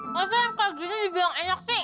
masa yang kini kalau dibayang enyok sih